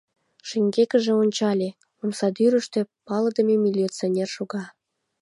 Шеҥгекыже ончале — омсадӱрыштӧ палыдыме милиционер шога.